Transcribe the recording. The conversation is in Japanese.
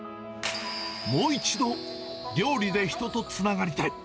もう一度、料理で人とつながりたい。